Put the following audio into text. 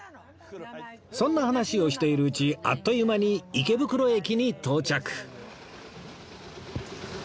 そんな話をしているうちあっという間に池袋駅に到着